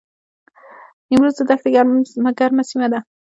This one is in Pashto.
نیمروز د دښتې ګرمه سیمه ده